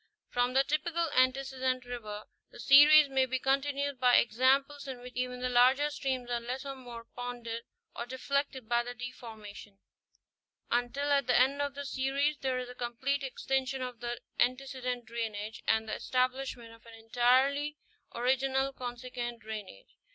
From the typical antecedent river, the series may be continued by examples in which even the larger streams are less or more ponded or deflected by the deformation, until at the end of the series there is a complete extinction of the antecedent drainage and the establishment of an entirely original consequent drainage.